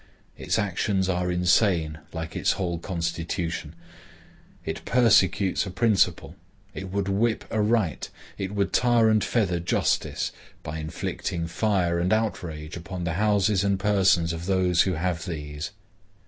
Its actions are insane like its whole constitution. It persecutes a principle; it would whip a right; it would tar and feather justice, by inflicting fire and outrage upon the houses and persons of those who have these.